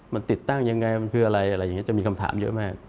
มันติดตั้งอย่างไรมันคืออะไรจะมีคำถามเยอะมาก